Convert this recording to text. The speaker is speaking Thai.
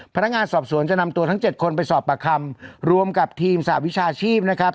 พนักงานสอบสวนจะนำตัวทั้ง๗คนไปสอบปากคำรวมกับทีมสหวิชาชีพนะครับ